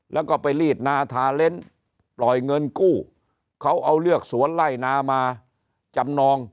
แล้วก็ไปรีดนาทาเล้นปล่อยเงินกู้เขาเอาเลือกสวนไล่นามาจำนอง